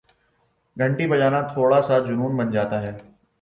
گھنٹی بجانا تھوڑا سا جنون بن جاتا ہے